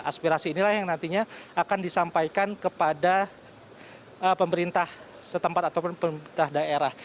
aspirasi inilah yang nantinya akan disampaikan kepada pemerintah setempat ataupun pemerintah daerah